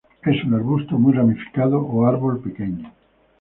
Es un arbusto muy ramificado o árbol pequeño.